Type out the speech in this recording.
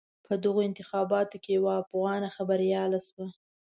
په دغو انتخاباتو کې یوه افغانه بریالی شوه.